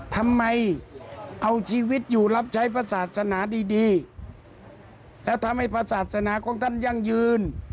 ทำไมเอาชีวิตอยู่รับใช้พระศาสนาดีแล้วทำให้พระศาสนาของท่านยั่งยืน